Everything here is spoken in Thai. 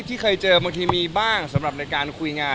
ที่เคยเจอบางทีมีบ้างสำหรับในการคุยงาน